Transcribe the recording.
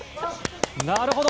なるほど！